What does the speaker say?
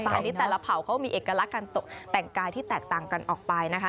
อันนี้แต่ละเผาเขามีเอกลักษณ์การตกแต่งกายที่แตกต่างกันออกไปนะคะ